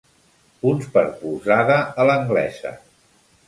Punts per polzada a l'anglesa.